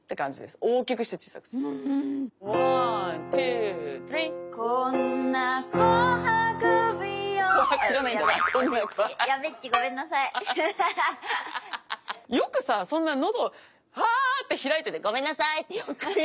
よくさそんな喉をハーって開いてて「ごめんなさい」ってよく言えるよね。